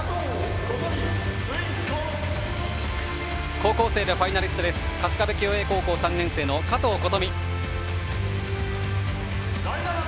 高校生でファイナリスト春日部共栄高校３年生の加藤心冨。